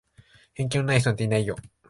偏見のない人なんていないよ。